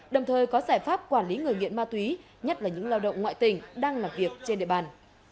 đồng thời có giải pháp quản lý người nghiện ma túy nhất là những lao động ngoại tỉnh đang làm việc trên địa bàn